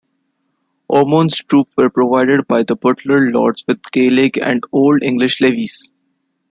Ormonde's troops were provided by the Butler lords with Gaelic and Old English levies.